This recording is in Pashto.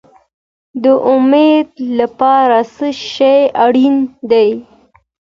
د امید لپاره څه شی اړین دی؟